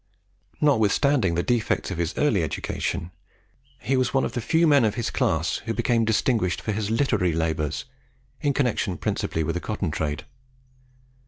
Notwithstanding the defects of his early education, he was one of the few men of his class who became distinguished for his literary labours in connexion principally with the cotton trade.